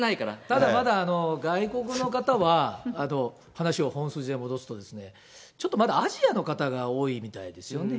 ただ、まだ外国の方は、話を本筋へ戻すと、ちょっとまだアジアの方が多いみたいですよね。